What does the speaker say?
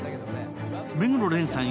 目黒蓮さん